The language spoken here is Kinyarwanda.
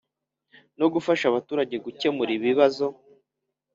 No gufasha abaturage gukemura ibibazo